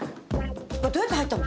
これどうやって入ったの？